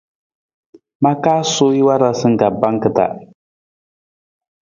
Ma kaa suwii warasa ka pangki ta.